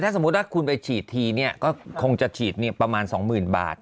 สมมุติว่าคุณไปฉีดทีก็คงจะฉีดประมาณ๒๐๐๐บาท